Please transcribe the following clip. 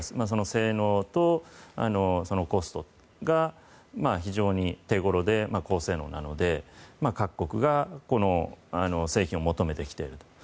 性能とコストが非常に手ごろで高性能なので各国がこの製品を求めてきている。